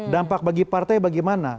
dampak bagi partai bagaimana